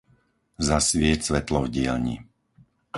Zasvieť svetlo v dielni.